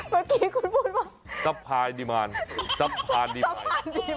เมื่อกี้คุณพูดว่าซัพพาดีมายซัพพาดีมายซัพพาดีมาย